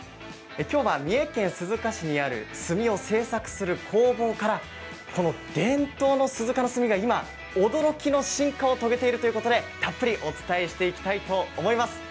きょうは三重県鈴鹿市にある墨の製作をする工房からこの伝統の鈴鹿の墨が今驚きの進化を遂げているということでたっぷりお伝えしていきたいと思います。